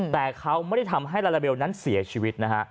แต่เขาไม่ได้ทำให้ลาลาเบลนั้นเสียชีวิตนะฮะ